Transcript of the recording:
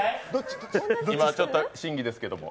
今ちょっと審議ですけども。